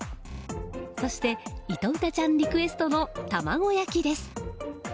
そしていと、うたちゃんリクエストの卵焼きです。